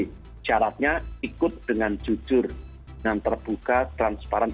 jadi caranya ikut dengan jujur dengan terbuka transparan